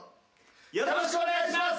よろしくお願いします！